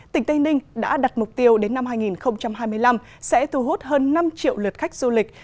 tỉnh tây ninh đã đặt mục tiêu đến năm hai nghìn hai mươi năm sẽ thu hút hơn năm triệu lượt khách du lịch